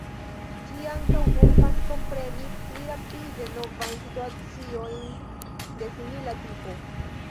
Ĝi ankaŭ helpas kompreni pli rapide novajn situaciojn de simila tipo.